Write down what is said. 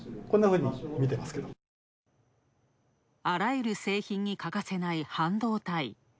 あらゆる製品に欠かせない半導体。